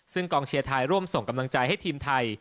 ซึ่งกองเชียร์ไทยร่วมส่งกำลังใจให้ทีมไทย